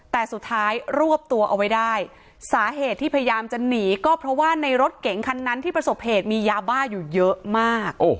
แต่สุดท้ายรวบตัวเอาไว้ได้สาเหตุที่พยายามจะหนีก็เพราะว่าในรถเก๋งคันนั้นที่ประสบเหตุมียาบ้าอยู่เยอะมาก